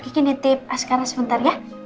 kakek nitip sekarang sebentar ya